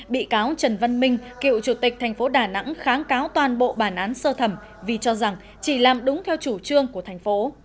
bị cáo trần văn minh cựu chủ tịch thành phố đà nẵng kháng cáo toàn bộ bản án sơ thẩm vì cho rằng chỉ làm đúng theo chủ trương của thành phố